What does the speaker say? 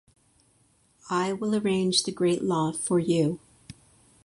I will arrange the great law for you.